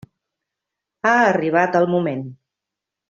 Ha arribat el moment.